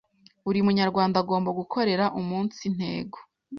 Buri munyarwanda agomba gukorera umunsi ntego